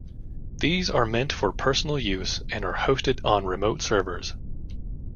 These are meant for personal use and are hosted on remote servers.